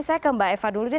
saya ke mbak eva dulu deh